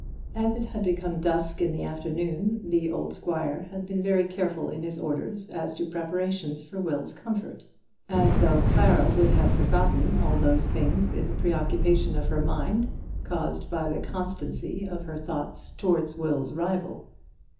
As it had become dusk in the afternoon, the old squire had been very careful in his orders as to preparations for Will's comfort, as though Clara would have forgotten all those things in the preoccupation of her mind, caused by the constancy of her thoughts towards Will's rival.